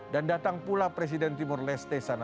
dan datang pula presiden timur leste sananak